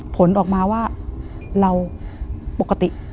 ผลออกมาว่าเราปกติ